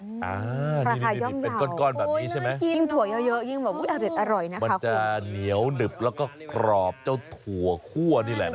ราคาย่อมเยาว์โอ้ยน่ากินมากมันจะเหนียวหนึบแล้วก็กรอบเจ้าถั่วคั่วนี่แหละนะ